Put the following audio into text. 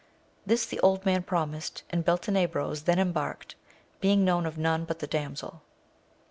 This the old man promised, and Beltenebros then embarked, being known of none but the damsel.